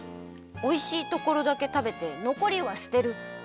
おいしいところだけたべてのこりは捨てる。